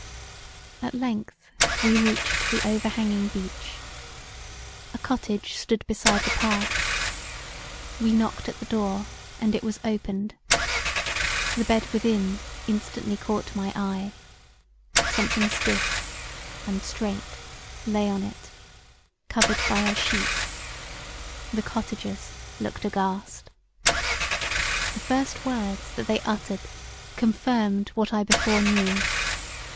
At length we reached the overhanging beach; a cottage stood beside the path; we knocked at the door and it was opened: the bed within instantly caught my eye; something stiff and straight lay on it, covered by a sheet; the cottagers looked aghast. The first words that they uttered confirmed what I before knew.